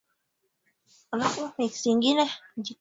ia wao hutumia kuwasiliana na jamaa zao